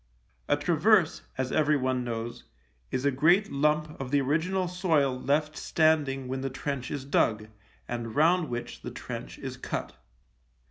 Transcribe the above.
A traverse, as everyone knows, is a great lump of the original soil left standing when the trench is dug, and round which the trench is cut.